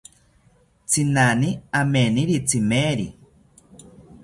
Tzinani amineri tzimeri